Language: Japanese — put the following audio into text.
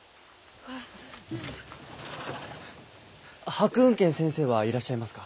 白雲軒先生はいらっしゃいますか？